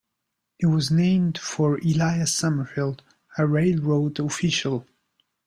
It was named for Elias Summerfield, a railroad official.